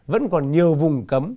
vẫn còn nhiều vùng cấm